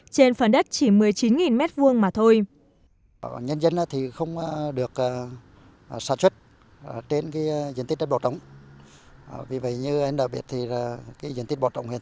trên phần đất chỉ một mươi chín m hai mà thôi